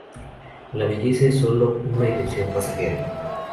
La belleza es sólo una ilusión pasajera.